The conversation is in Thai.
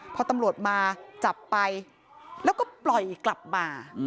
พอตำรวจมาจับไปแล้วก็ปล่อยกลับมา